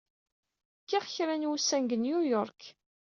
Kkiɣ kra n wussan deg New York.